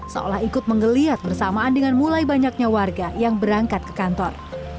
seolah ikut menggeliat bersamaan dengan mulai banyaknya warga yang berangkat ke kantor